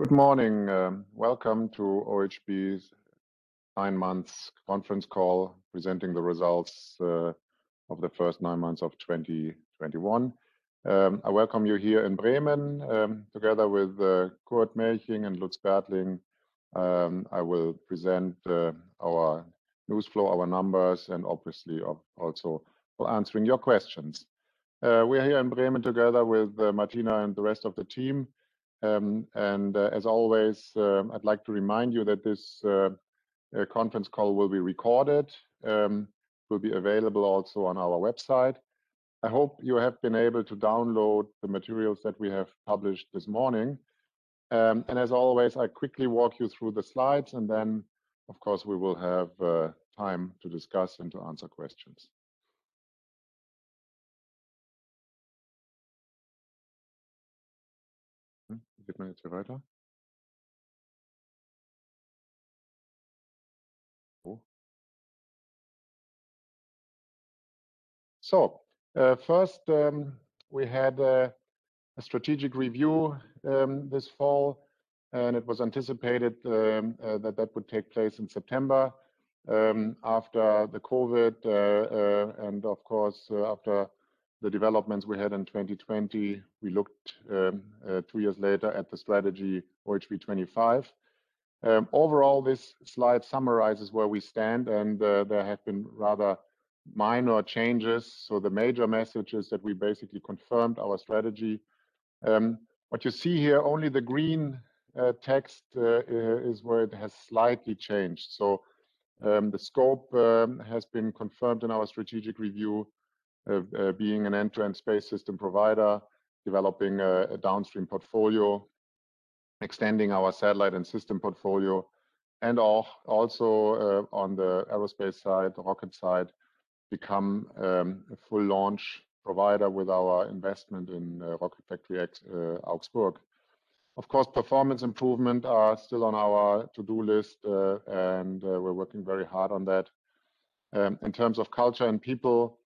Good morning. Welcome to OHB's Nine Months Conference Call Presenting The Results of the First Nine Months of 2021. I welcome you here in Bremen together with Kurt Melching and Lutz Bertling. I will present our news flow, our numbers, and obviously also will answering your questions. We are here in Bremen together with Martina and the rest of the team. As always, I'd like to remind you that this conference call will be recorded, will be available also on our website. I hope you have been able to download the materials that we have published this morning. As always, I quickly walk you through the slides, and then, of course, we will have time to discuss and to answer questions. First, we had a strategic review this fall, and it was anticipated that it would take place in September after the COVID and of course, after the developments we had in 2020. We looked two years later at the strategy OHB 2025. Overall, this slide summarizes where we stand, and there have been rather minor changes. The major message is that we basically confirmed our strategy. What you see here, only the green text is where it has slightly changed. The scope has been confirmed in our strategic review of being an end-to-end space system provider, developing a downstream portfolio, extending our satellite and system portfolio, and also, on the aerospace side, the rocket side, become a full launch provider with our investment in Rocket Factory Augsburg. Of course, performance improvements are still on our to-do list, and we're working very hard on that. In terms of culture and people,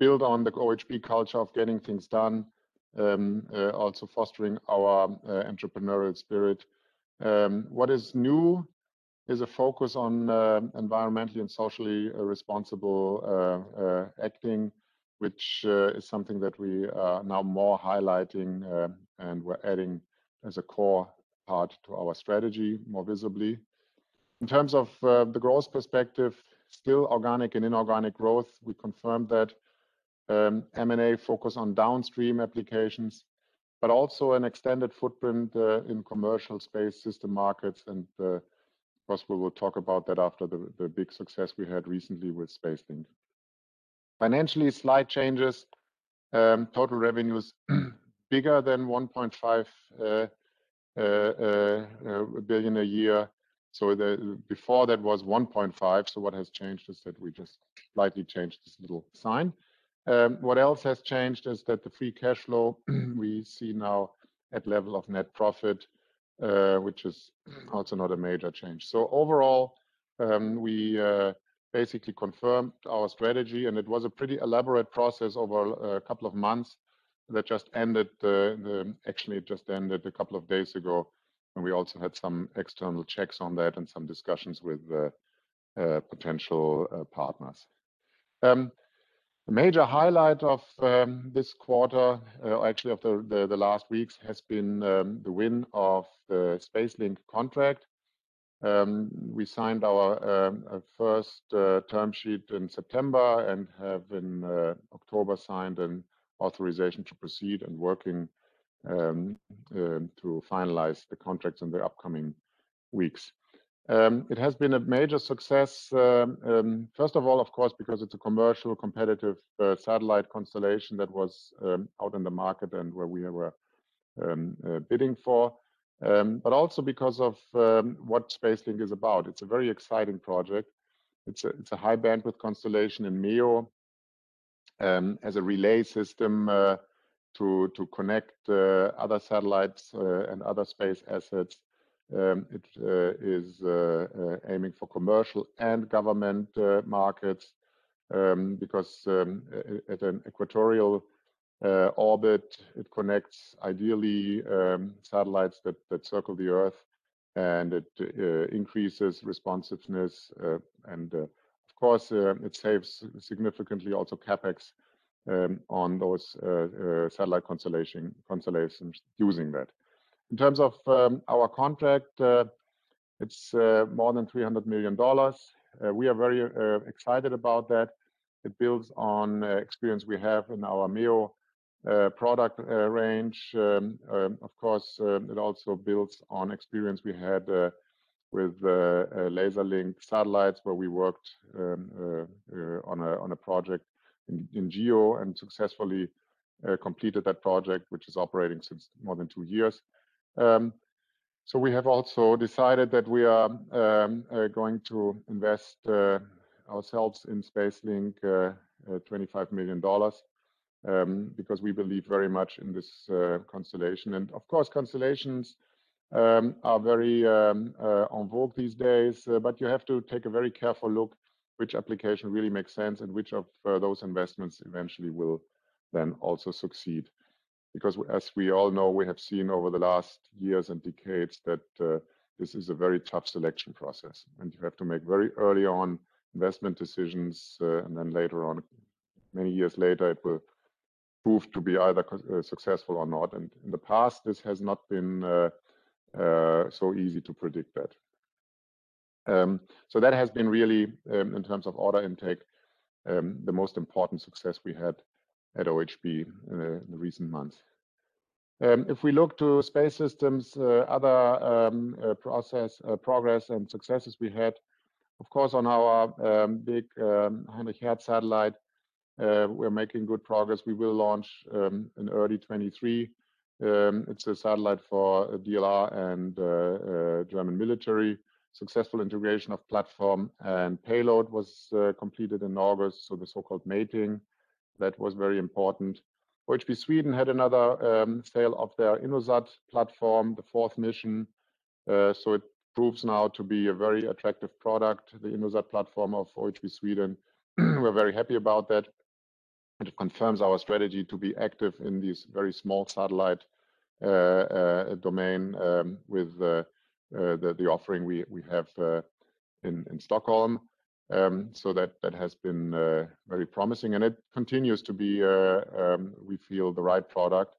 build on the OHB culture of getting things done, also fostering our entrepreneurial spirit. What is new is a focus on environmentally and socially responsible acting, which is something that we are now more highlighting, and we're adding as a core part to our strategy more visibly. In terms of the growth perspective, still organic and inorganic growth, we confirmed that. M&A focus on downstream applications, but also an extended footprint in commercial space system markets. Of course, we will talk about that after the big success we had recently with SpaceLink. Financially, slight changes. Total revenues bigger than 1.5 billion a year. Before that was 1.5 billion, so what has changed is that we just slightly changed this little sign. What else has changed is that the free cash flow we see now at level of net profit, which is also not a major change. Overall, we basically confirmed our strategy, and it was a pretty elaborate process over a couple of months that just ended, actually it just ended a couple of days ago. We also had some external checks on that and some discussions with potential partners. A major highlight of this quarter, actually of the last weeks, has been the win of the SpaceLink contract. We signed our first term sheet in September and have in October signed an authorization to proceed and working to finalize the contracts in the upcoming weeks. It has been a major success, first of all, of course, because it's a commercially competitive satellite constellation that was out in the market and where we were bidding for, but also because of what SpaceLink is about. It's a very exciting project. It's a high bandwidth constellation in MEO as a relay system to connect other satellites and other space assets. It is aiming for commercial and government markets because at an equatorial orbit, it connects ideally satellites that circle the Earth, and it increases responsiveness and, of course, it saves significantly also CapEx on those satellite constellations using that. In terms of our contract, it's more than $300 million. We are very excited about that. It builds on experience we have in our MEO product range. Of course, it also builds on experience we had with laser-linked satellites, where we worked on a project in GEO and successfully completed that project, which is operating since more than two years. We have also decided that we are going to invest ourselves in SpaceLink $25 million because we believe very much in this constellation. Of course, constellations are very en vogue these days, but you have to take a very careful look which application really makes sense and which of those investments eventually will then also succeed. Because as we all know, we have seen over the last years and decades that this is a very tough selection process, and you have to make very early on investment decisions, and then later on, many years later, it will prove to be either successful or not. In the past, this has not been so easy to predict that. So that has been really, in terms of order intake, the most important success we had at OHB in the recent months. If we look to space systems, other progress and successes we had, of course, on our big Heinrich Hertz satellite, we're making good progress. We will launch in early 2023. It's a satellite for DLR and German military. Successful integration of platform and payload was completed in August, so the so-called mating. That was very important. OHB Sweden had another sale of their InnoSat platform, the fourth mission. It proves now to be a very attractive product, the InnoSat platform of OHB Sweden. We're very happy about that, and it confirms our strategy to be active in this very small satellite domain with the offering we have in Stockholm. That has been very promising, and it continues to be, we feel, the right product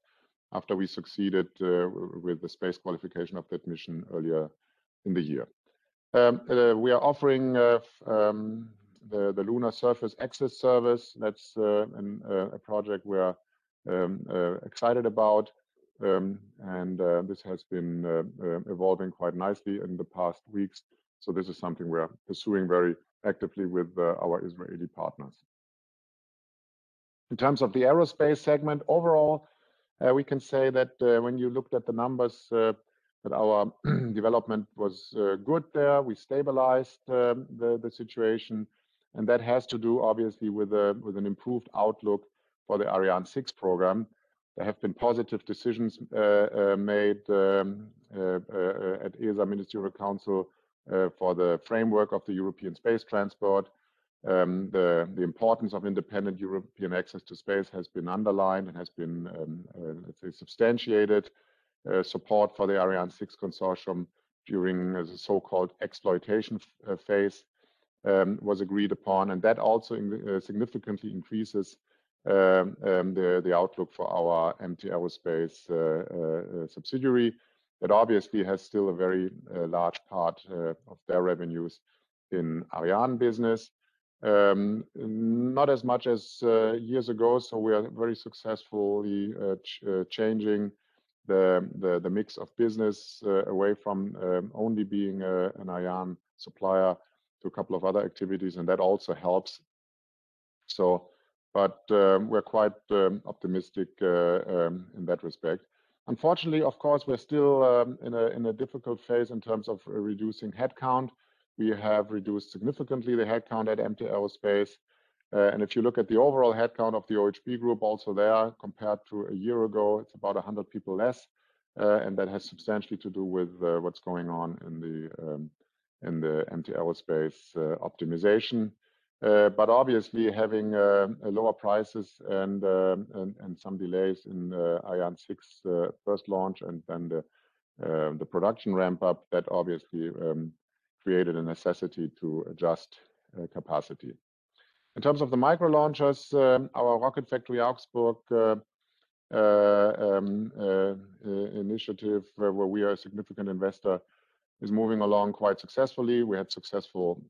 after we succeeded with the space qualification of that mission earlier in the year. We are offering the Lunar Surface Access Service. That's a project we're excited about. This has been evolving quite nicely in the past weeks, so this is something we're pursuing very actively with our Israeli partners. In terms of the aerospace segment, overall, we can say that when you looked at the numbers that our development was good there. We stabilized the situation, and that has to do obviously with an improved outlook for the Ariane 6 program. There have been positive decisions made at ESA Ministerial Council for the framework of the European Space Transport. The importance of independent European access to space has been underlined and has been, let's say, substantiated. Support for the Ariane 6 consortium during the so-called exploitation phase was agreed upon, and that also significantly increases the outlook for our MT Aerospace subsidiary. That obviously has still a very large part of their revenues in Ariane business. Not as much as years ago, so we are very successfully changing the mix of business away from only being an Ariane supplier to a couple of other activities, and that also helps. We're quite optimistic in that respect. Unfortunately, of course, we're still in a difficult phase in terms of reducing headcount. We have reduced significantly the headcount at MT Aerospace. And if you look at the overall headcount of the OHB group also there, compared to a year ago, it's about 100 people less. And that has substantially to do with what's going on in the MT Aerospace optimization. But obviously having lower prices and some delays in Ariane 6 first launch and then the production ramp up, that obviously created a necessity to adjust capacity. In terms of the micro launchers, our Rocket Factory Augsburg initiative where we are a significant investor is moving along quite successfully. We had successful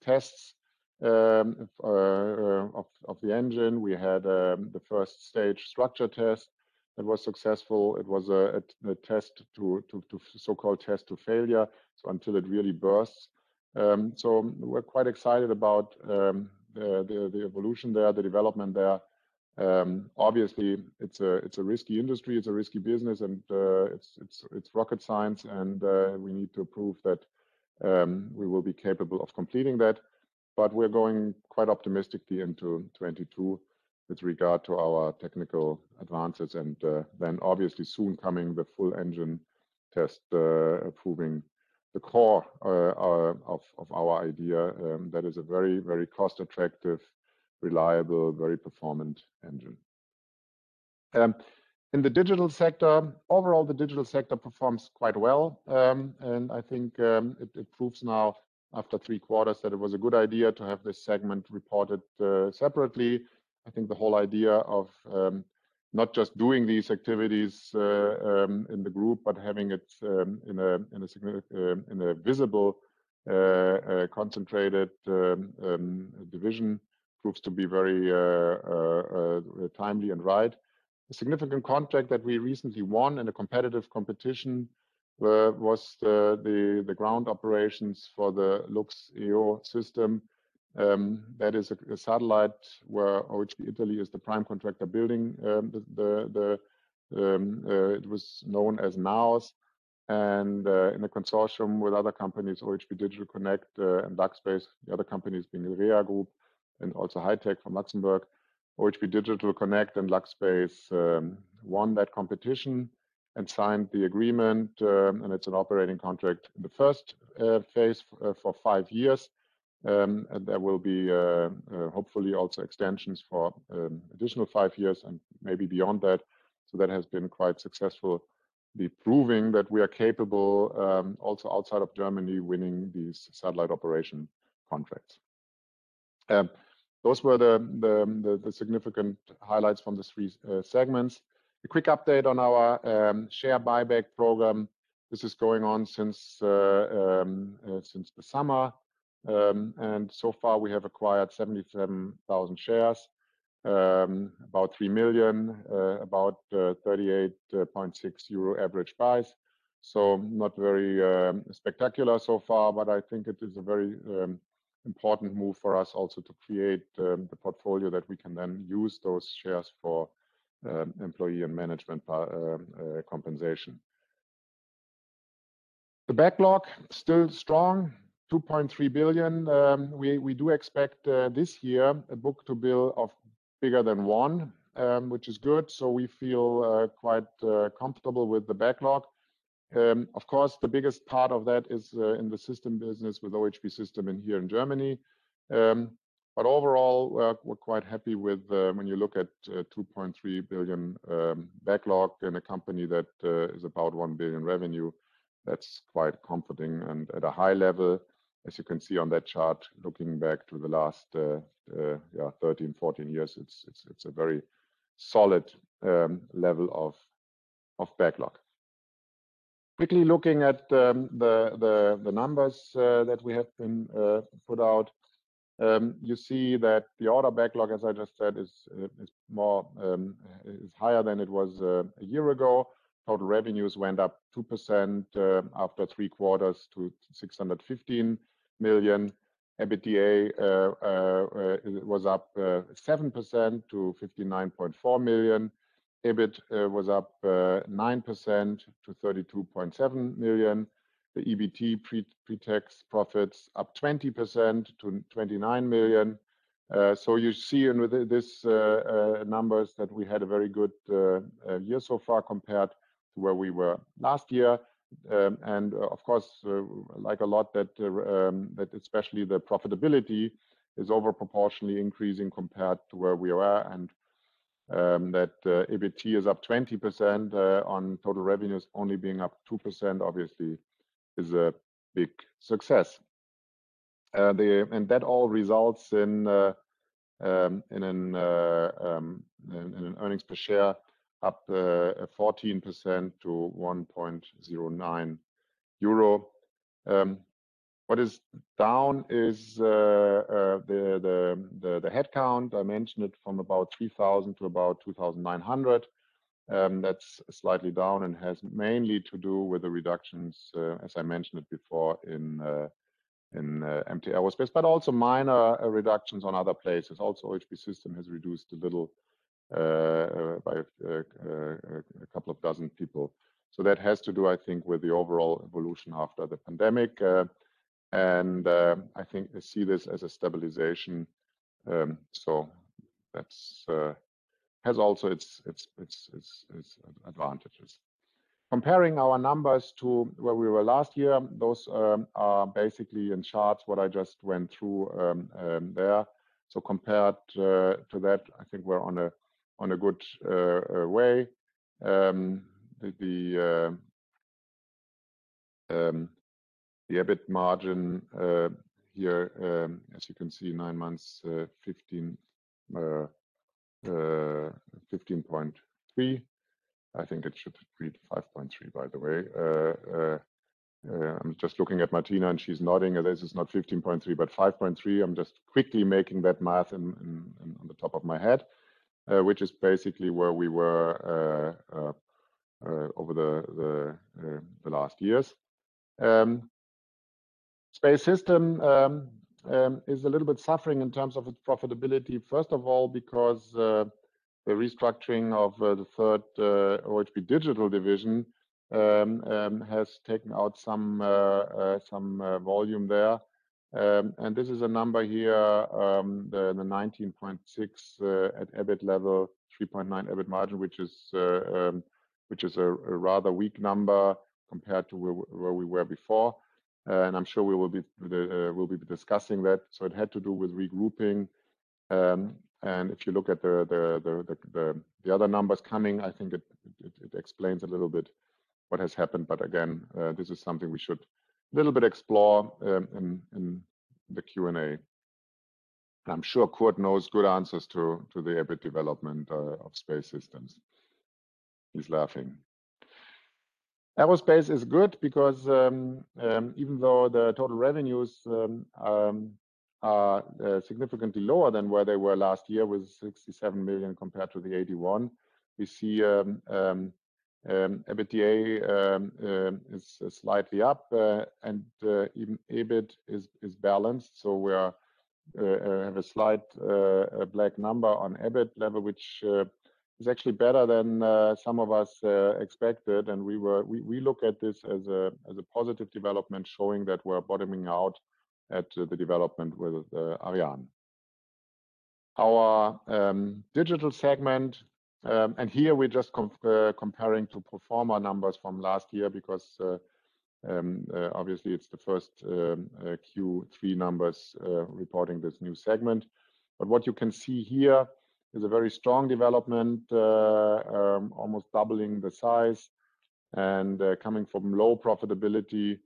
tests of the engine. We had the first stage structure test that was successful. It was a test to the so-called test to failure, so until it really bursts. We're quite excited about the evolution there, the development there. Obviously, it's a risky industry, it's a risky business, and it's rocket science and we need to prove that we will be capable of completing that. We're going quite optimistically into 2022 with regard to our technical advances, and then obviously soon coming the full engine test, proving the core of our idea that is a very, very cost attractive, reliable, very performant engine. In the digital sector, overall the digital sector performs quite well. I think it proves now after three quarters that it was a good idea to have this segment reported separately. I think the whole idea of not just doing these activities in the group, but having it in a visible, concentrated division proves to be very timely and right. A significant contract that we recently won in a competitive competition was the ground operations for the LUXEOSys. That is a satellite where OHB Italia is the prime contractor building. It was known as NAOS and in a consortium with other companies, OHB Digital Connect and LuxSpace, the other companies being RHEA Group and also HITEC from Luxembourg. OHB Digital Connect and LuxSpace won that competition and signed the agreement, and it's an operating contract in the first phase for five years. There will be hopefully also extensions for additional five years and maybe beyond that. That has been quite successful. We're proving that we are capable also outside of Germany, winning these satellite operation contracts. Those were the significant highlights from the three segments. A quick update on our share buyback program. This is going on since the summer. So far we have acquired 77,000 shares, about 3 million, about 38.6 euro average price. Not very spectacular so far, but I think it is a very important move for us also to create the portfolio that we can then use those shares for employee and management compensation. The backlog, still strong, 2.3 billion. We do expect this year a book-to-bill bigger than 1, which is good. We feel quite comfortable with the backlog. Of course, the biggest part of that is in the system business with OHB System here in Germany. Overall, we're quite happy with when you look at 2.3 billion backlog in a company that is about 1 billion revenue, that's quite comforting. At a high level, as you can see on that chart, looking back to the last 13, 14 years, it's a very solid level of backlog. Quickly looking at the numbers that we have been put out. You see that the order backlog, as I just said, is higher than it was a year ago. Total revenues went up 2% after three quarters to 615 million. EBITDA was up 7% to 59.4 million. EBIT was up 9% to 32.7 million. The EBT pre-tax profits up 20% to 29 million. You see in this numbers that we had a very good year so far compared to where we were last year. Of course, like a lot that especially the profitability is over proportionally increasing compared to where we were. That EBT is up 20% on total revenues only being up 2%, obviously is a big success. That all results in an earnings per share up 14% to 1.09 euro. What is down is the headcount. I mentioned it from about 3,000 to about 2,900. That's slightly down and has mainly to do with the reductions as I mentioned it before in MT Aerospace, but also minor reductions on other places. Also, OHB System has reduced a little by a couple of dozen people. That has to do, I think, with the overall evolution after the pandemic. I think I see this as a stabilization. That has also its advantages. Comparing our numbers to where we were last year, those are basically in charts what I just went through there. Compared to that, I think we're on a good way. The EBIT margin here as you can see, nine months 15.3%. I think it should read 5.3%, by the way. I'm just looking at Martina, and she's nodding at this. It's not 15.3%, but 5.3%. I'm just quickly doing that math off the top of my head, which is basically where we were over the last years. Space Systems is a little bit suffering in terms of its profitability. First of all, because the restructuring of the third OHB Digital division has taken out some volume there. This is a number here, the 19.6 at EBIT level, 3.9% EBIT margin, which is a rather weak number compared to where we were before. I'm sure we will be discussing that. It had to do with regrouping. If you look at the other numbers coming, I think it explains a little bit what has happened. But again, this is something we should a little bit explore in the Q&A. I'm sure Kurt knows good answers to the EBIT development of Space Systems. He's laughing. Aerospace is good because even though the total revenues are significantly lower than where they were last year with 67 million compared to the 81 million, we see EBITDA is slightly up, and even EBIT is balanced. We have a slight black number on EBIT level, which is actually better than some of us expected. We look at this as a positive development showing that we're bottoming out at the development with Ariane. Our digital segment, and here we're just comparing to pro forma numbers from last year because obviously it's the first Q3 numbers reporting this new segment. What you can see here is a very strong development, almost doubling the size and coming from low profitability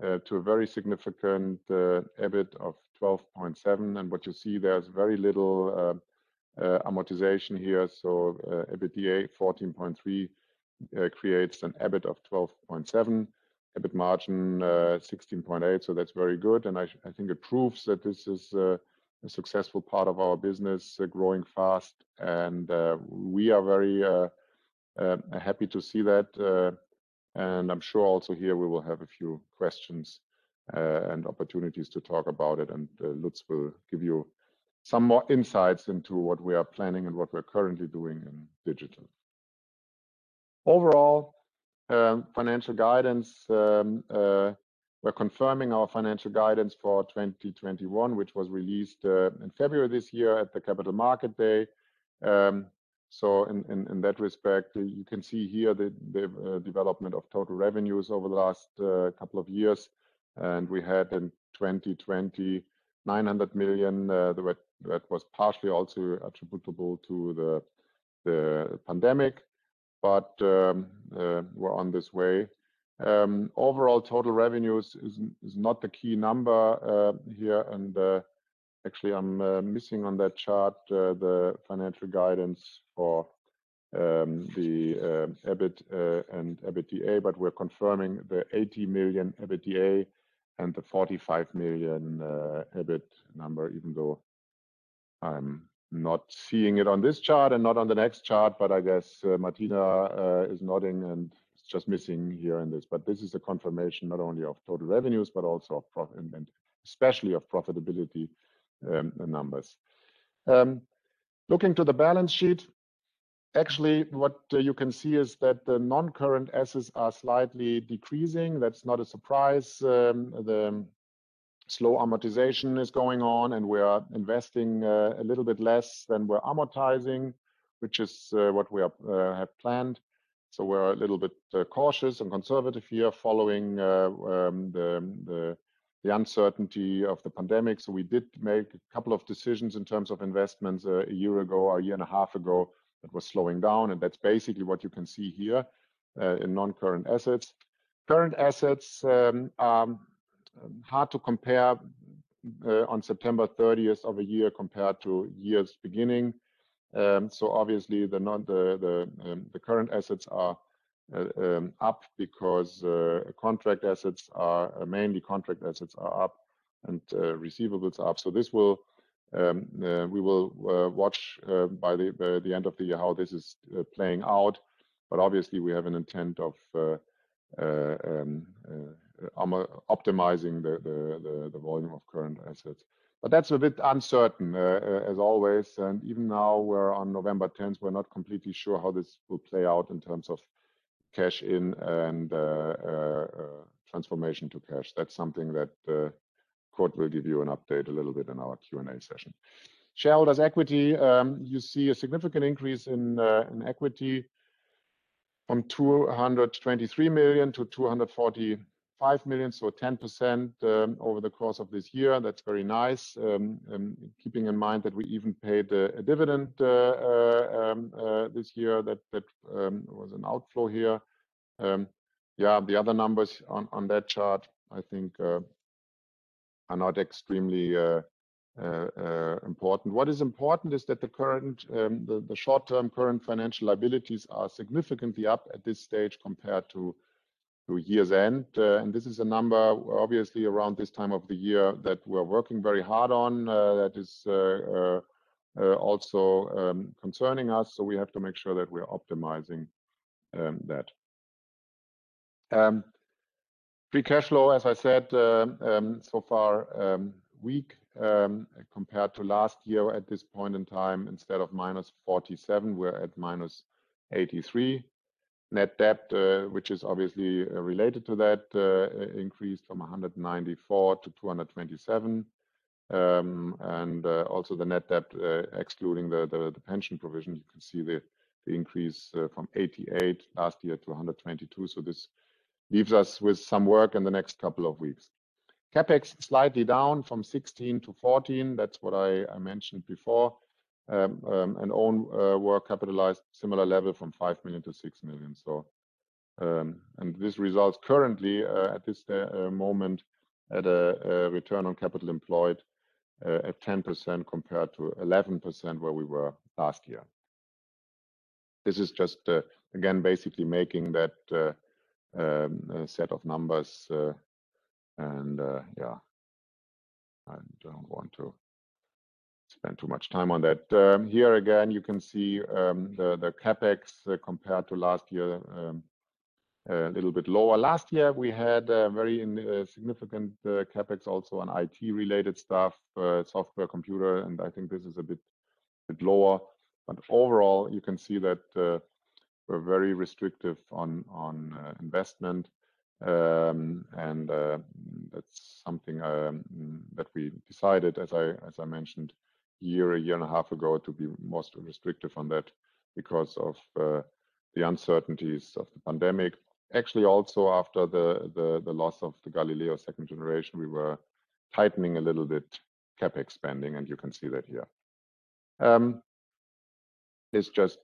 to a very significant EBIT of 12.7. What you see there is very little amortization here. EBITDA 14.3 creates an EBIT of 12.7. EBIT margin 16.8%, so that's very good, and I think it proves that this is a successful part of our business, growing fast and we are very happy to see that. I'm sure also here we will have a few questions and opportunities to talk about it, and Lutz will give you some more insights into what we are planning and what we're currently doing in digital. Overall, financial guidance, we're confirming our financial guidance for 2021, which was released in February this year at the Capital Market Day. In that respect, you can see here the development of total revenues over the last couple of years. We had in 2020, 900 million, that was partially also attributable to the pandemic, but we're on this way. Overall total revenues is not the key number here and actually, I'm missing on that chart the financial guidance for the EBIT and EBITDA. We're confirming the 80 million EBITDA and the 45 million EBIT number, even though I'm not seeing it on this chart and not on the next chart. I guess Martina is nodding and it's just missing here in this. This is a confirmation not only of total revenues, but also of and especially of profitability numbers. Looking to the balance sheet, actually, what you can see is that the non-current assets are slightly decreasing. That's not a surprise. The slow amortization is going on, and we are investing a little bit less than we're amortizing, which is what we had planned. We're a little bit cautious and conservative here following the uncertainty of the pandemic. We did make a couple of decisions in terms of investments a year ago, a year and a half ago, that was slowing down, and that's basically what you can see here in non-current assets. Current assets are hard to compare on September 30th of a year compared to year's beginning. Obviously the current assets are up because mainly contract assets are up and receivables are up. We will watch by the end of the year how this is playing out. Obviously we have an intent of optimizing the volume of current assets. That's a bit uncertain as always. Even now we're on November 10th, we're not completely sure how this will play out in terms of cash in and transformation to cash. That's something that Kurt will give you an update a little bit in our Q&A session. Shareholders' equity, you see a significant increase in equity from 223 million to 245 million, so a 10% over the course of this year. That's very nice. Keeping in mind that we even paid a dividend this year, that was an outflow here. The other numbers on that chart, I think, are not extremely important. What is important is that the current short-term financial liabilities are significantly up at this stage compared to year's end. This is a number obviously around this time of the year that we're working very hard on, that is also concerning us. We have to make sure that we are optimizing that. Free cash flow, as I said, so far weak compared to last year at this point in time. Instead of -47, we're at -83. Net debt, which is obviously related to that, increased from 194 million to 227 million. Also the net debt excluding the pension provision, you can see the increase from 88 million last year to 122 million. This leaves us with some work in the next couple of weeks. CapEx slightly down from 16 million-14 million. That's what I mentioned before. Own work capitalized similar level from 5 million-6 million. This results currently at this moment at a return on capital employed at 10% compared to 11% where we were last year. This is just again basically making that set of numbers and yeah. I don't want to spend too much time on that. Here again, you can see the CapEx compared to last year a little bit lower. Last year, we had a very significant CapEx also on IT-related stuff, software, computer, and I think this is a bit lower. Overall, you can see that we're very restrictive on investment. That's something that we decided, as I mentioned, a year and a half ago, to be most restrictive on that because of the uncertainties of the pandemic. Actually, also after the loss of the Galileo Second Generation, we were tightening a little bit CapEx spending, and you can see that here. This just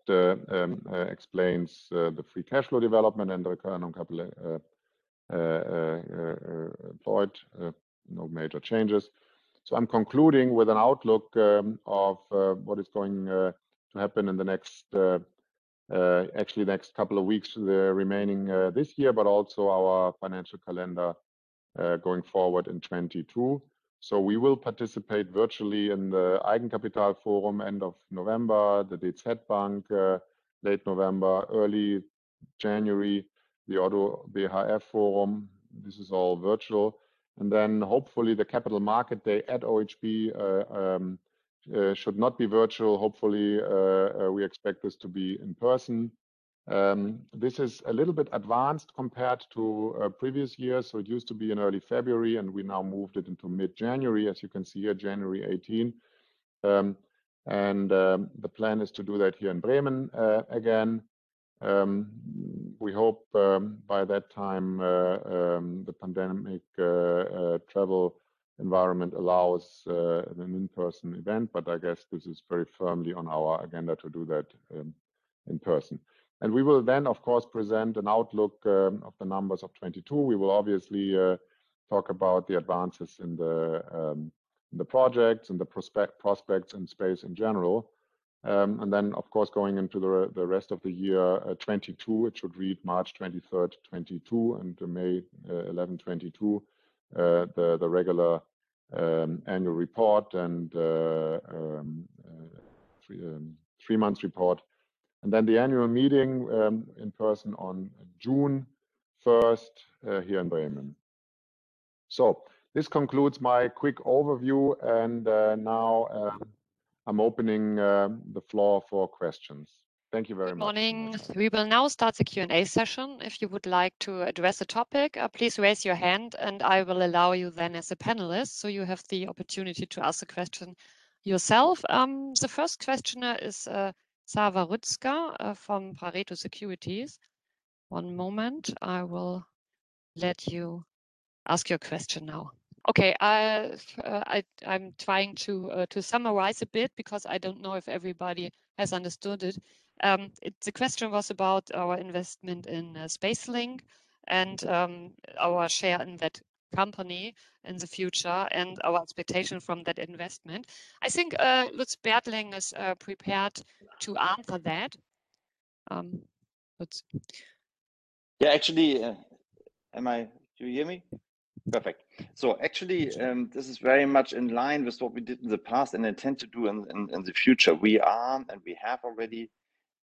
explains the free cash flow development and the current non-CapEx employed. No major changes. I'm concluding with an outlook of what is going to happen in the next actually couple of weeks, the remaining this year, but also our financial calendar going forward in 2022. We will participate virtually in the Eigenkapitalforum end of November, the Deutsche Bank late November, early January, the ODDO BHF forum. This is all virtual. Then hopefully the Capital Market Day at OHB should not be virtual. Hopefully we expect this to be in person. This is a little bit advanced compared to previous years, so it used to be in early February, and we now moved it into mid-January, as you can see here, January 18. The plan is to do that here in Bremen again. We hope by that time the pandemic travel environment allows an in-person event, but I guess this is very firmly on our agenda to do that in person. We will then, of course, present an outlook of the numbers of 2022. We will obviously talk about the advances in the projects and the prospects and space in general. Of course, going into the rest of the year, 2022, it should read March 23, 2022, and to May 11, 2022, the regular annual report and 3 months report. The annual meeting in person on June 1 here in Bremen. This concludes my quick overview, and now I'm opening the floor for questions. Thank you very much. Good morning. We will now start the Q&A session. If you would like to address a topic, please raise your hand, and I will allow you then as a panelist, so you have the opportunity to ask the question yourself. The first questioner is Zafer Rüzgar from Pareto Securities. One moment. I will let you ask your question now. Okay. I'm trying to summarize a bit because I don't know if everybody has understood it. The question was about our investment in SpaceLink and our share in that company in the future and our expectation from that investment. I think Lutz Bertling is prepared to answer that. Lutz. Do you hear me? Perfect. Actually, this is very much in line with what we did in the past and intend to do in the future. We are, and we have already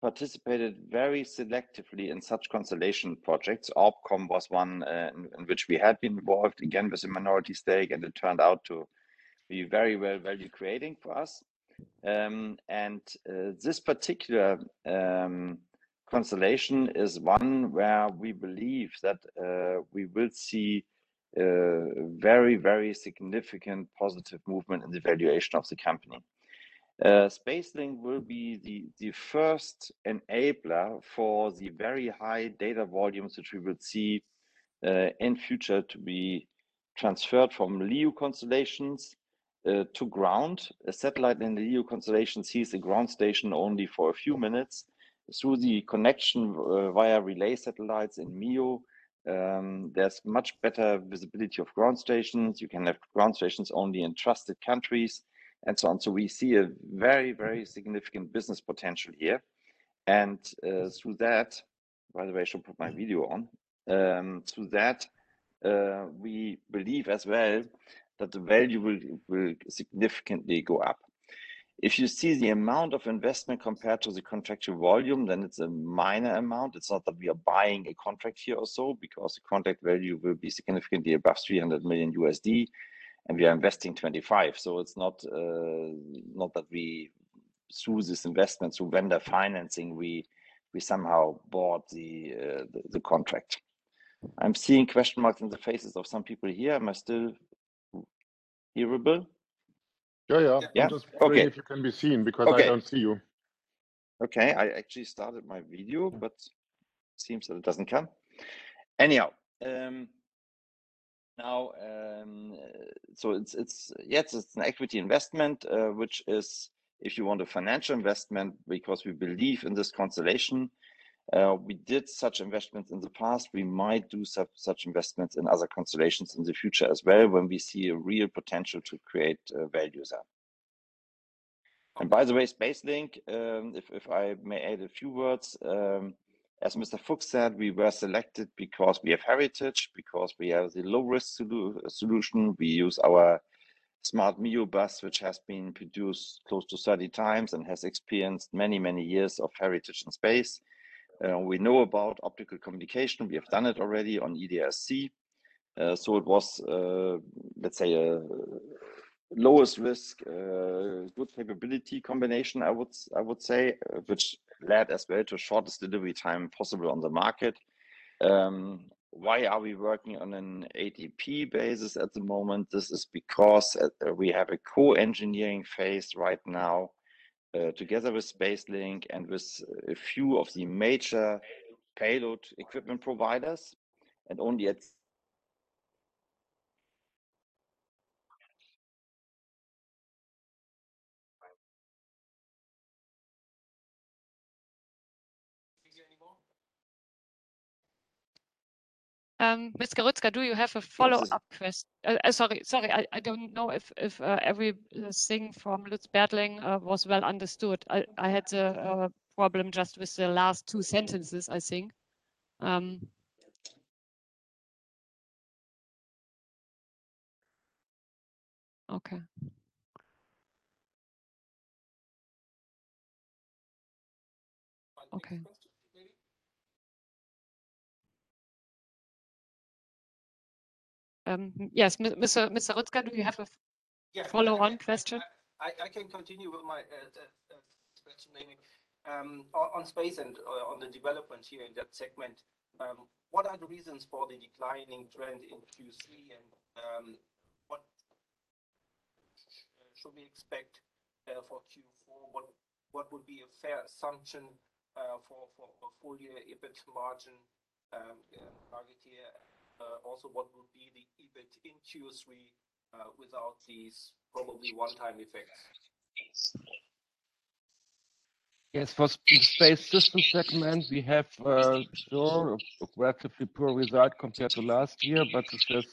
participated very selectively in such constellation projects. ORBCOMM was one, in which we had been involved, again, with a minority stake, and it turned out to be very well value creating for us. This particular constellation is one where we believe that we will see very significant positive movement in the valuation of the company. SpaceLink will be the first enabler for the very high data volumes that we will see in future to be transferred from LEO constellations to ground. A satellite in the LEO constellations sees the ground station only for a few minutes. Through the connection via relay satellites in MEO, there's much better visibility of ground stations. You can have ground stations only in trusted countries, and so on. We see a very, very significant business potential here. Through that, by the way, I should put my video on. Through that, we believe as well that the value will significantly go up. If you see the amount of investment compared to the contractual volume, then it's a minor amount. It's not that we are buying a contract here or so because the contract value will be significantly above $300 million, and we are investing $25 million. It's not that we, through this investment, through vendor financing, we somehow bought the contract. I'm seeing question marks in the faces of some people here. Am I still hearable? Yeah, yeah. Yeah? Okay. I'm just wondering if you can be seen because. Okay. I don't see you. I actually started my video, but it seems that it doesn't come. Anyhow, it's an equity investment, which is, if you want, a financial investment because we believe in this constellation. We did such investments in the past. We might do such investments in other constellations in the future as well when we see a real potential to create values there. By the way, SpaceLink, if I may add a few words, as Mr. Fuchs said, we were selected because we have heritage, because we have the low-risk solution. We use our SmartMEO bus, which has been produced close to 30 times and has experienced many years of heritage in space. We know about optical communication. We have done it already on EDRS-C. So it was, let's say, lowest risk, good capability combination, I would say, which led as well to shortest delivery time possible on the market. Why are we working on an ATP basis at the moment? This is because we have a co-engineering phase right now, together with SpaceLink and with a few of the major payload equipment providers. Only at- Can you hear anymore? Mr. Rüzgar sorry. I don't know if everything from Lutz Bertling was well understood. I had a problem just with the last two sentences, I think. Okay. Yes. Mr. Rüzgar do you have a follow-on question? I can continue with my question maybe on space and on the development here in that segment. What are the reasons for the declining trend in Q3, and what should we expect for Q4? What would be a fair assumption for a full year EBIT margin target here? Also, what would be the EBIT in Q3 without these probably one-time effects? Yes. For space system segment, we have still a relatively poor result compared to last year, but it has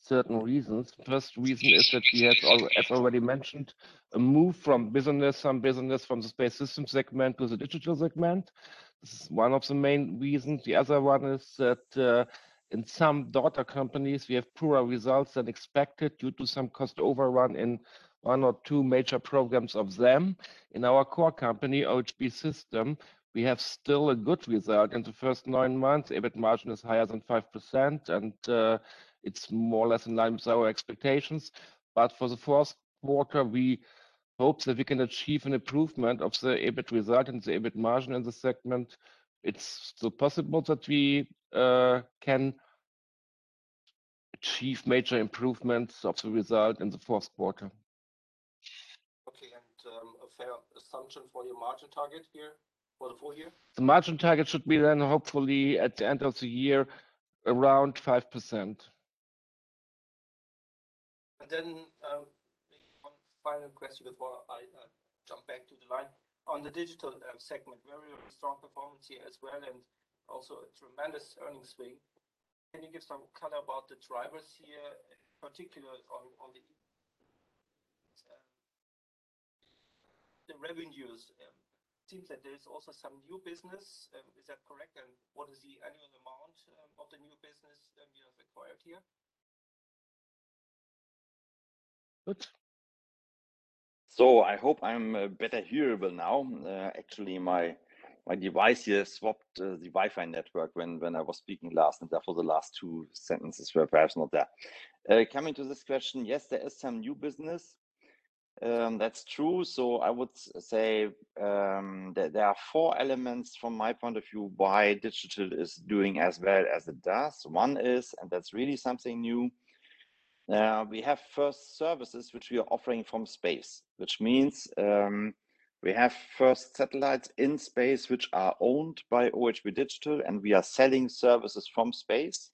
certain reasons. First reason is that we have as already mentioned, a move from business, some business from the space systems segment to the digital segment. This is one of the main reasons. The other one is that in some daughter companies, we have poorer results than expected due to some cost overrun in one or two major programs of them. In our core company, OHB System, we have still a good result. In the first nine months, EBIT margin is higher than 5%, and it's more or less in line with our expectations. For the fourth quarter, we hope that we can achieve an improvement of the EBIT result and the EBIT margin in the segment. It's still possible that we can achieve major improvements of the result in the fourth quarter. Okay. A fair assumption for your margin target here for the full year? The margin target should be then hopefully at the end of the year, around 5%. Maybe one final question before I jump back to the line. On the Digital segment, very, very strong performance here as well, and also a tremendous earnings swing. Can you give some color about the drivers here, in particular on the revenues? Seems that there's also some new business. Is that correct? What is the annual amount of the new business you have acquired here? I hope I'm better hearable now. Actually, my device here swapped the Wi-Fi network when I was speaking last, and therefore the last two sentences were perhaps not there. Coming to this question, yes, there is some new business. That's true. I would say that there are four elements from my point of view why digital is doing as well as it does. One is, that's really something new, we have first services which we are offering from space, which means we have first satellites in space which are owned by OHB Digital, and we are selling services from space.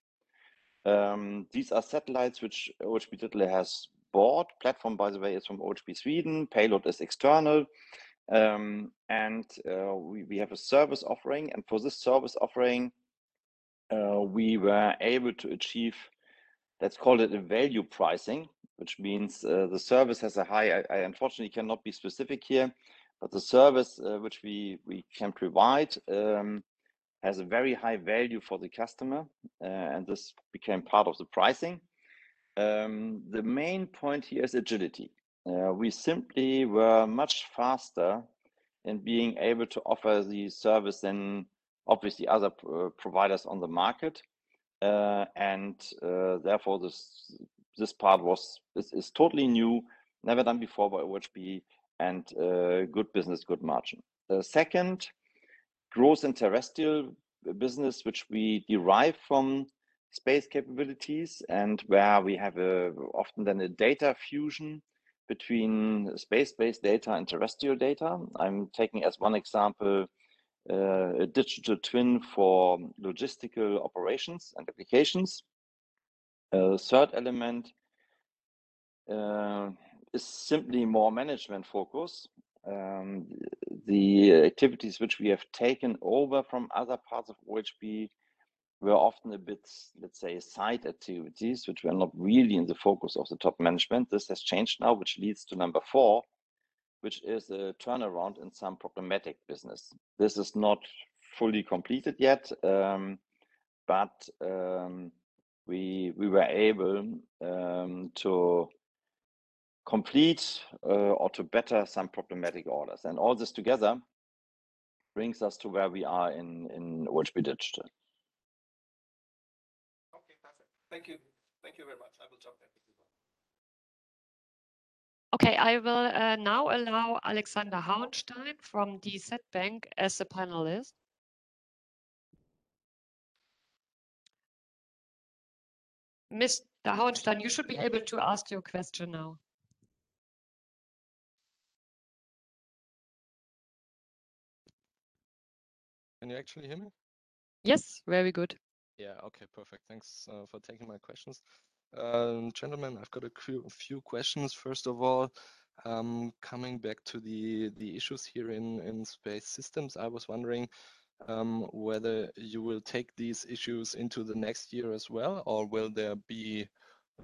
These are satellites which OHB Digital has bought. Platform, by the way, is from OHB Sweden. Payload is external. We have a service offering. For this service offering, we were able to achieve, let's call it a value pricing, which means the service, I unfortunately cannot be specific here, but the service which we can provide has a very high value for the customer. This became part of the pricing. The main point here is agility. We simply were much faster in being able to offer the service than obviously other providers on the market. Therefore, this is totally new, never done before by OHB, and good business, good margin. The second, growth in terrestrial business, which we derive from space capabilities and where we have often a data fusion between space-based data and terrestrial data. I'm taking as one example a digital twin for logistical operations and applications. The third element is simply more management focus. The activities which we have taken over from other parts of OHB were often a bit, let's say, side activities, which were not really in the focus of the top management. This has changed now, which leads to number four, which is a turnaround in some problematic business. This is not fully completed yet, but we were able to Complete or to better some problematic orders. All this together brings us to where we are in OHB Digital. Okay, perfect. Thank you. Thank you very much. I will jump then with this one. Okay. I will now allow Alexander Hauenstein from DZ Bank as a panelist. Mr. Hauenstein, you should be able to ask your question now. Can you actually hear me? Yes. Very good. Yeah. Okay, perfect. Thanks for taking my questions. Gentlemen, I've got a few questions. First of all, coming back to the issues here in Space Systems, I was wondering whether you will take these issues into the next year as well, or will there be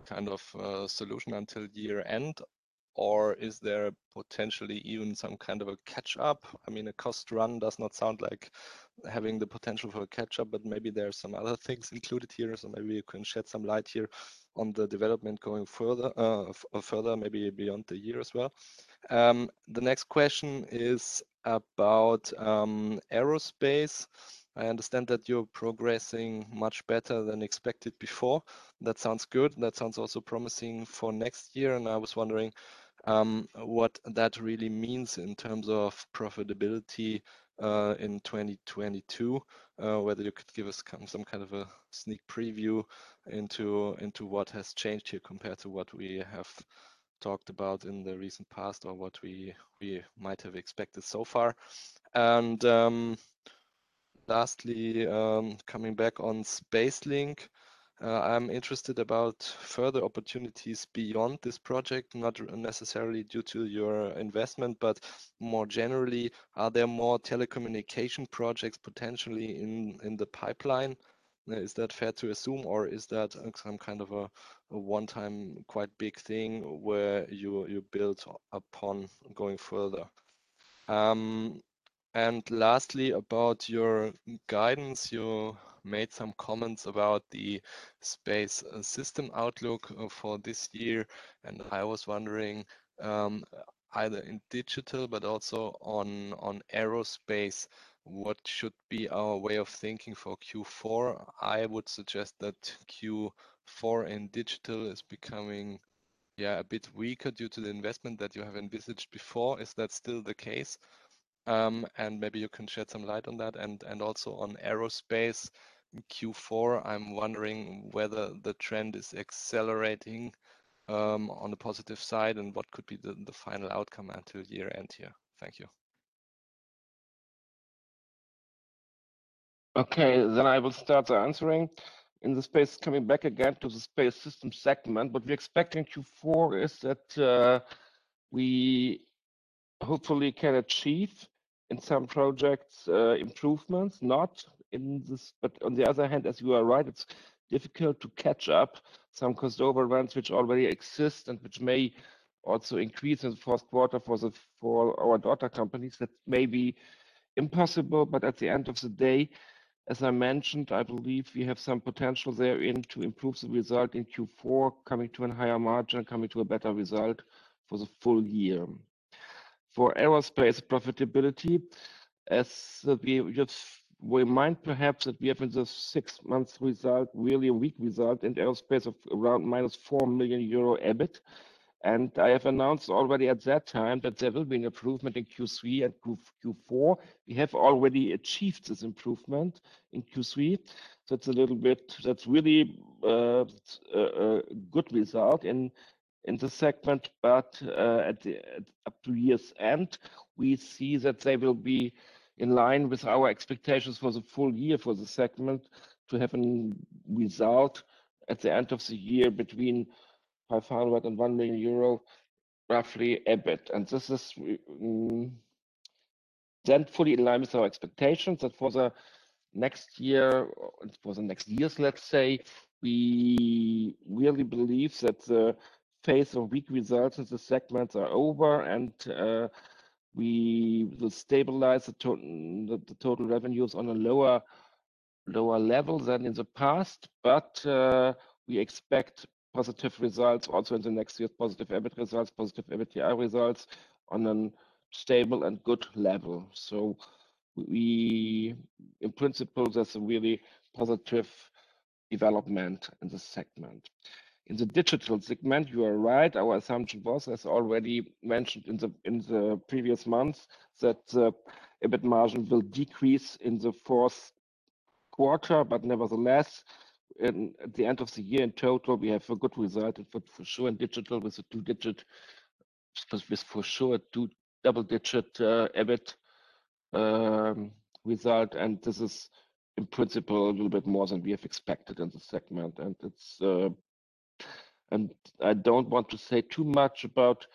kind of a solution until year-end? Or is there potentially even some kind of a catch-up? I mean, a cost run does not sound like having the potential for a catch-up, but maybe there are some other things included here. Maybe you can shed some light here on the development going further maybe beyond the year as well. The next question is about Aerospace. I understand that you're progressing much better than expected before. That sounds good. That sounds also promising for next year, and I was wondering what that really means in terms of profitability in 2022. Whether you could give us some kind of a sneak preview into what has changed here compared to what we have talked about in the recent past or what we might have expected so far. Lastly, coming back on SpaceLink, I'm interested about further opportunities beyond this project, not necessarily due to your investment, but more generally, are there more telecommunication projects potentially in the pipeline? Is that fair to assume, or is that some kind of a one-time, quite big thing where you build upon going further? Lastly, about your guidance. You made some comments about the Space System outlook for this year, and I was wondering, either in Digital, but also on Aerospace, what should be our way of thinking for Q4? I would suggest that Q4 in Digital is becoming, yeah, a bit weaker due to the investment that you have envisaged before. Is that still the case? Maybe you can shed some light on that. Also on Aerospace Q4, I'm wondering whether the trend is accelerating, on the positive side and what could be the final outcome until year-end here. Thank you. Okay. I will start answering. Coming back again to the Space Systems segment. What we expect in Q4 is that we hopefully can achieve in some projects improvements, not in this. On the other hand, as you are right, it's difficult to catch up some cost overruns which already exist and which may also increase in the first quarter for our daughter companies. That may be impossible, but at the end of the day, as I mentioned, I believe we have some potential there in to improve the result in Q4, coming to a higher margin, coming to a better result for the full year. For Aerospace profitability, as we just remind perhaps that we have in the six months result, really a weak result in Aerospace of around -4 million euro EBIT. I have announced already at that time that there will be an improvement in Q3 and Q4. We have already achieved this improvement in Q3. It's a little bit. That's really a good result in the segment. But up to year's end, we see that they will be in line with our expectations for the full year for the segment to have a result at the end of the year between 500 million and 1 million euro, roughly, EBIT. This is then fully in line with our expectations. For the next year, for the next years, let's say, we really believe that the phase of weak results in the segment are over and we will stabilize the total revenues on a lower level than in the past. We expect positive results also in the next year, positive EBIT results, positive EBITDA results on a stable and good level. In principle, that's a really positive development in the segment. In the Digital segment, you are right. Our assumption was, as already mentioned in the previous months, that EBIT margin will decrease in the fourth quarter. But nevertheless, at the end of the year, in total, we have a good result for sure in Digital with for sure a two double-digit EBIT result. And this is in principle a little bit more than we have expected in the segment. And it's I don't want to say too much about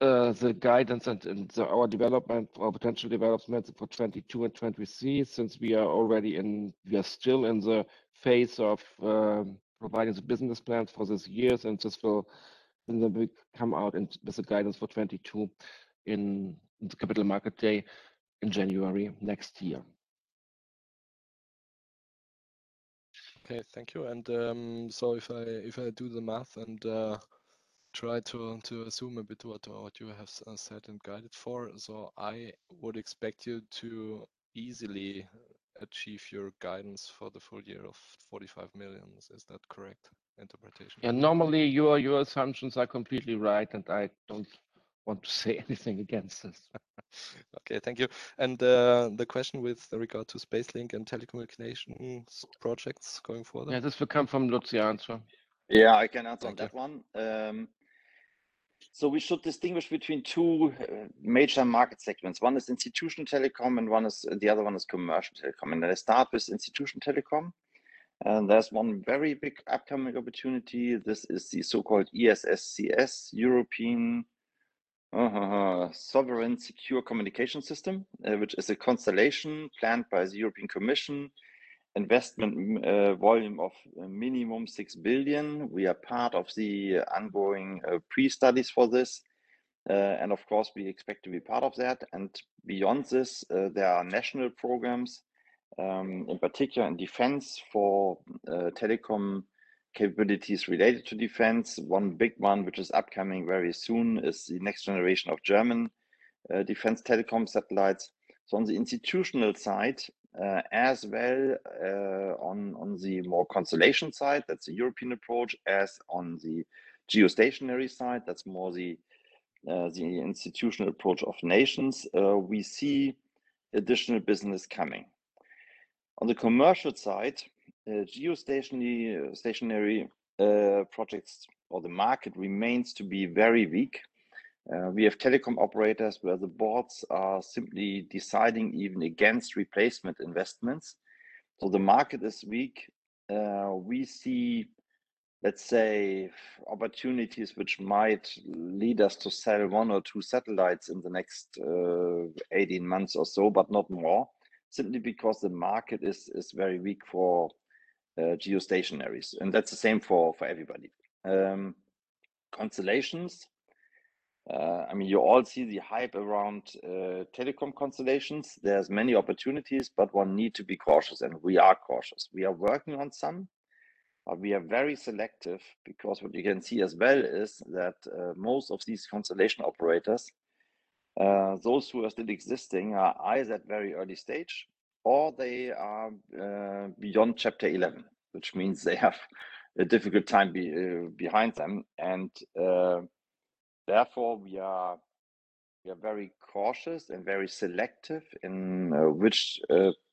the guidance and our development or potential developments for 2022 and 2023, since we are still in the phase of providing the business plans for this year. This will then come out with the guidance for 2022 in the Capital Market Day in January next year. Okay, thank you. If I do the math and try to assume a bit what you have said and guided for, so I would expect you to easily achieve your guidance for the full year of 45 million. Is that correct interpretation? Yeah. Normally, your assumptions are completely right, and I don't want to say anything against this. Okay. Thank you. The question with regard to SpaceLink and telecommunications projects going forward. Yeah, this will come from Lutz, the answer. Yeah, I can answer that one. So we should distinguish between two major market segments. One is institutional telecom, and the other one is commercial telecom. Let us start with institutional telecom. There's one very big upcoming opportunity. This is the so-called ESSCS, European Sovereign Secure Communications System, which is a constellation planned by the European Commission, investment volume of minimum 6 billion. We are part of the ongoing pre-studies for this, and of course, we expect to be part of that. Beyond this, there are national programs, in particular in defense for telecom capabilities related to defense. One big one, which is upcoming very soon, is the next generation of German defense telecom satellites. On the institutional side, as well, on the more constellation side, that's a European approach, as on the geostationary side, that's more the institutional approach of nations. We see additional business coming. On the commercial side, the geostationary projects or the market remains to be very weak. We have telecom operators where the boards are simply deciding even against replacement investments. The market is weak. We see, let's say, opportunities which might lead us to sell 1 or 2 satellites in the next 18 months or so, but not more, simply because the market is very weak for geostationaries, and that's the same for everybody. Constellations, I mean, you all see the hype around telecom constellations. There's many opportunities, but one need to be cautious, and we are cautious. We are working on some, but we are very selective because what you can see as well is that most of these constellation operators, those who are still existing are either at very early stage or they are beyond Chapter 11, which means they have a difficult time behind them. Therefore, we are very cautious and very selective in which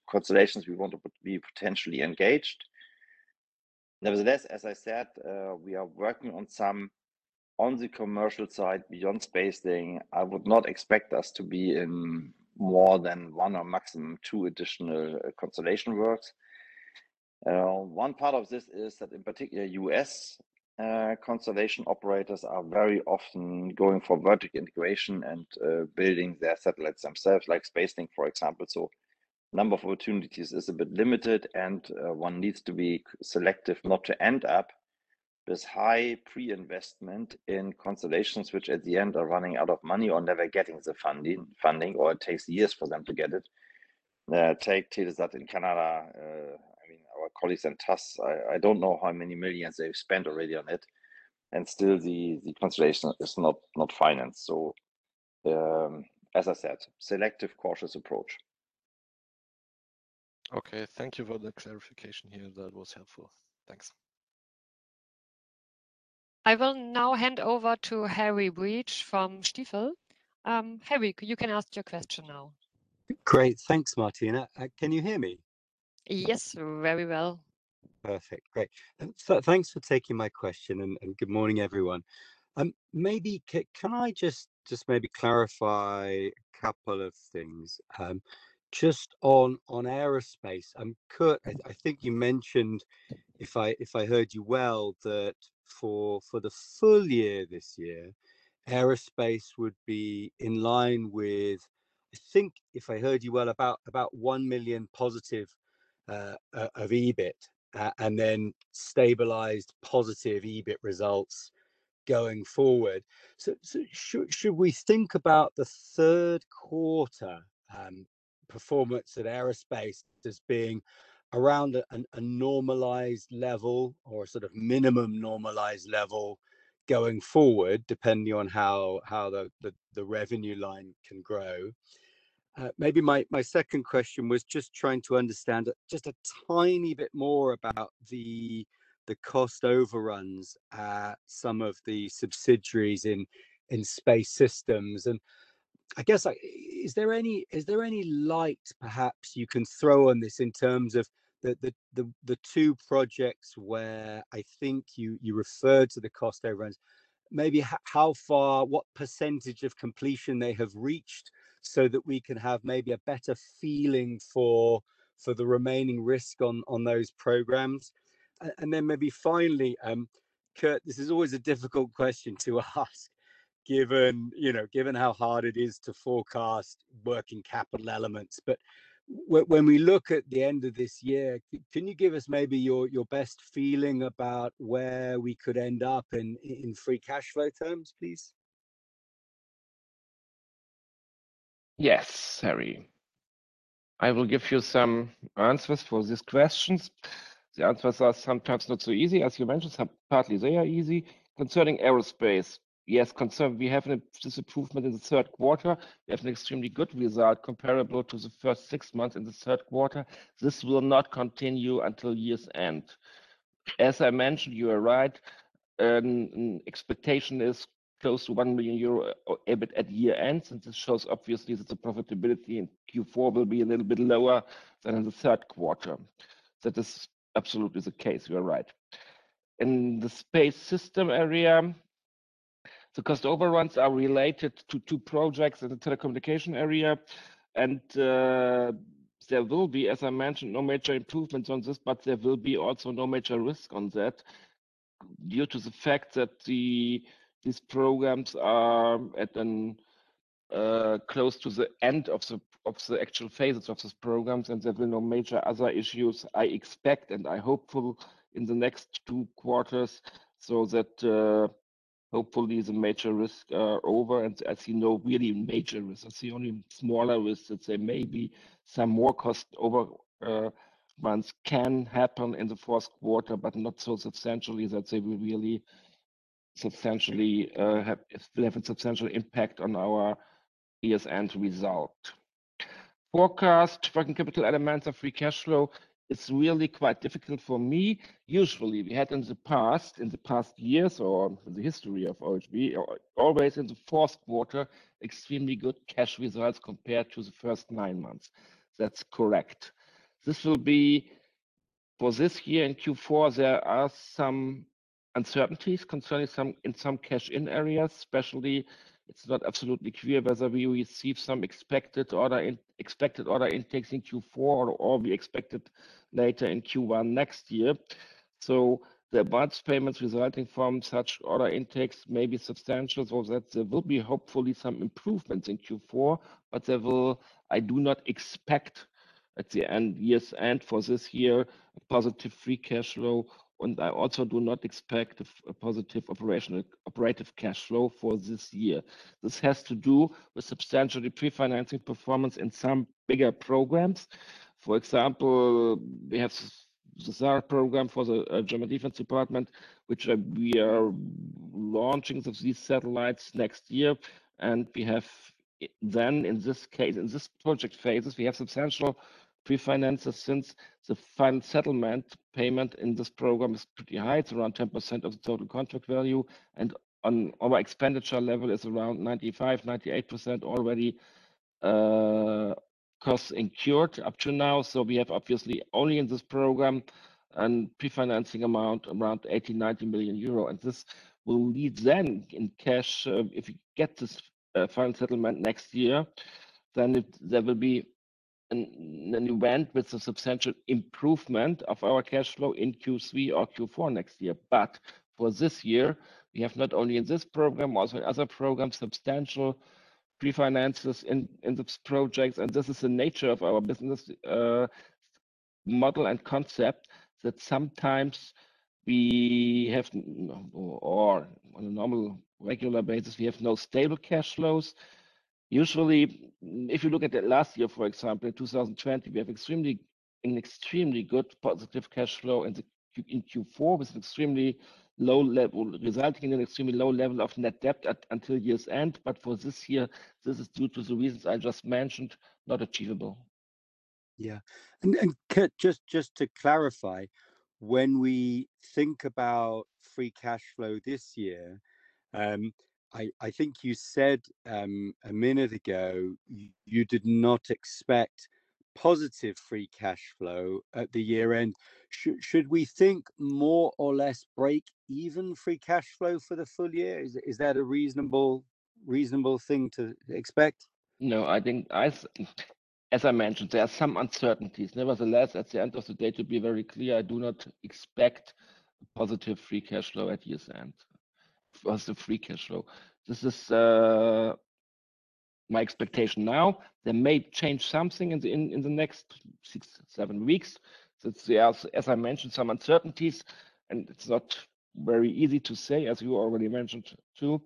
constellations we want to be potentially engaged. Nevertheless, as I said, we are working on some on the commercial side beyond SpaceLink. I would not expect us to be in more than 1 or maximum 2 additional constellation works. One part of this is that in particular, U.S. constellation operators are very often going for vertical integration and building their satellites themselves, like SpaceLink, for example. Number of opportunities is a bit limited, and one needs to be selective not to end up this high pre-investment in constellations, which at the end are running out of money or never getting the funding, or it takes years for them to get it. Take Telesat in Canada. I mean, our colleagues in TAS, I don't know how many millions they've spent already on it, and still the constellation is not financed. As I said, selective cautious approach. Okay. Thank you for the clarification here. That was helpful. Thanks. I will now hand over to Harry Breach from Stifel. Harry, you can ask your question now. Great. Thanks, Marianne. Can you hear me? Yes, very well. Perfect. Great. Thanks for taking my question, and good morning, everyone. Maybe I can just maybe clarify a couple of things? Just on aerospace, Kurt, I think you mentioned, if I heard you well, that for the full year this year, aerospace would be in line with, I think if I heard you well, about 1 million positive of EBIT, and then stabilized positive EBIT results going forward. Should we think about the third quarter performance at aerospace as being around a normalized level or sort of minimum normalized level going forward, depending on how the revenue line can grow? Maybe my second question was just trying to understand just a tiny bit more about the cost overruns at some of the subsidiaries in space systems. I guess, like, is there any light perhaps you can throw on this in terms of the two projects where I think you referred to the cost overruns? Maybe how far, what percentage of completion they have reached so that we can have maybe a better feeling for the remaining risk on those programs. Maybe finally, Kurt, this is always a difficult question to ask given, you know, given how hard it is to forecast working capital elements, but when we look at the end of this year, can you give us maybe your best feeling about where we could end up in free cash flow terms, please? Yes, Harry. I will give you some answers for these questions. The answers are sometimes not so easy, as you mentioned. Some partly they are easy. Concerning aerospace, yes, we have this improvement in the third quarter. We have an extremely good result comparable to the first six months in the third quarter. This will not continue until year's end. As I mentioned, you are right, expectation is close to 1 million euro EBIT at year-end, since it shows obviously that the profitability in Q4 will be a little bit lower than in the third quarter. That is absolutely the case. You are right. In the space system area, the cost overruns are related to 2 projects in the telecommunication area, and there will be, as I mentioned, no major improvements on this, but there will be also no major risk on that due to the fact that these programs are close to the end of the actual phases of these programs. There'll be no major other issues, I expect and I'm hopeful in the next 2 quarters so that hopefully the major risk over. As you know, really major risks. I see only smaller risks. Let's say maybe some more cost overruns can happen in the fourth quarter, but not so substantially that say we really substantially will have a substantial impact on our year's end result. Forecast working capital elements of free cash flow, it's really quite difficult for me. Usually, we had in the past, in the past years or in the history of OHB, or always in the fourth quarter, extremely good cash results compared to the first nine months. That's correct. This will be, for this year in Q4, there are some uncertainties concerning some, in some cash in areas especially. It's not absolutely clear whether we receive some expected order intakes in Q4 or we expect it later in Q1 next year. The advance payments resulting from such order intakes may be substantial, so that there will be hopefully some improvements in Q4. I do not expect at the end, year's end for this year, a positive free cash flow, and I also do not expect a positive operational, operative cash flow for this year. This has to do with substantial pre-financing performance in some bigger programs. For example, we have the SARah program for the German Defense Department, which we are launching of these satellites next year. We have then in this case, in this project phases, we have substantial pre-finances since the final settlement payment in this program is pretty high. It's around 10% of the total contract value. On our expenditure level is around 95%-98% already costs incurred up to now. We have obviously only in this program a pre-financing amount around 80-90 million euro. This will lead then in cash, if you get this final settlement next year, then it, there will be an event with a substantial improvement of our cash flow in Q3 or Q4 next year. For this year, we have not only in this program, also in other programs, substantial pre-finances in these projects and this is the nature of our business model and concept that sometimes we have or on a normal regular basis, we have no stable cash flows. Usually, if you look at the last year, for example, in 2020, we have an extremely good positive cash flow in the Q4 with extremely low level, resulting in an extremely low level of net debt at until year's end. For this year, this is due to the reasons I just mentioned, not achievable. Yeah. Just to clarify, when we think about free cash flow this year, I think you said a minute ago you did not expect positive free cash flow at the year-end. Should we think more or less break even free cash flow for the full year? Is that a reasonable thing to expect? No, I think as I mentioned, there are some uncertainties. Nevertheless, at the end of the day, to be very clear, I do not expect positive free cash flow at year's end for us, the free cash flow. This is my expectation now. There may change something in the next six, seven weeks. Since there are, as I mentioned, some uncertainties, and it's not very easy to say, as you already mentioned too.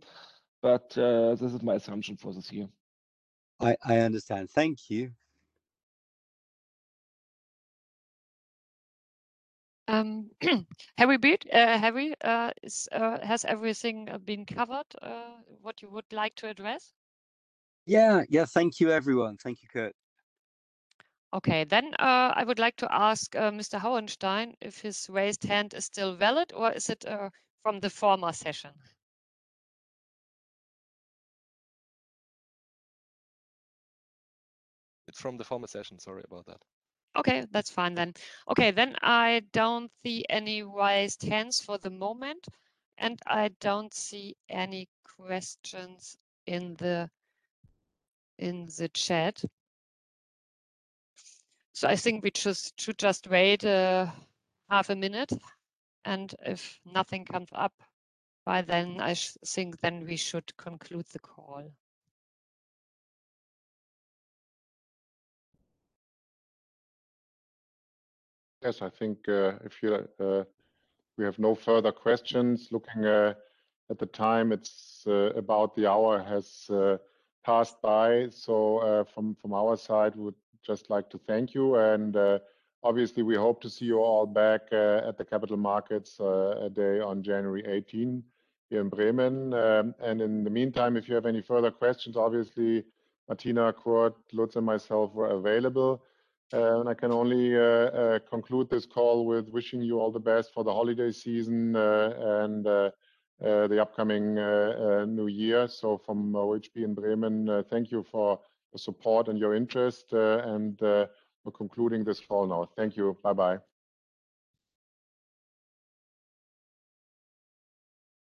This is my assumption for this year. I understand. Thank you. Harry Breach, Harry, has everything been covered, what you would like to address? Yeah. Thank you, everyone. Thank you, Kurt. Okay. I would like to ask Mr. Hauenstein if his raised hand is still valid or is it from the former session? It's from the former session. Sorry about that. Okay. That's fine then. I don't see any raised hands for the moment, and I don't see any questions in the chat. I think we should just wait half a minute, and if nothing comes up by then, I think then we should conclude the call. Yes, I think we have no further questions. Looking at the time, it's about an hour has passed by. From our side, we would just like to thank you and obviously we hope to see you all back at the Capital Markets Day on January 18 in Bremen. In the meantime, if you have any further questions, obviously Marianne, Kurt, Lutz, and myself were available. I can only conclude this call with wishing you all the best for the holiday season and the upcoming new year. From OHB in Bremen, thank you for the support and your interest, and we're concluding this call now. Thank you. Bye-bye.